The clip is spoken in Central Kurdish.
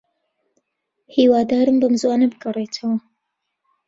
هیوادارم بەم زووانە بگەڕێیتەوە.